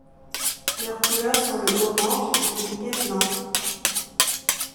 Leurs couleurs sont le orange, gris et blanc.